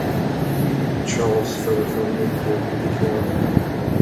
Charles föreföll mycket klen.